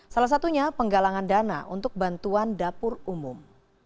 salah satunya penggalangan dana untuk bantuan dapur umum